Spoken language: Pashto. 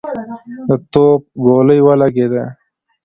د توپ ګولۍ ولګېده.